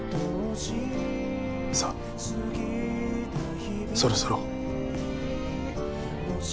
さあそろそろ。